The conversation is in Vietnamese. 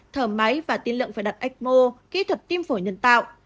thở máy và tiến lượng phải đặt ecmo kỹ thuật tiêm phổi nhân tạo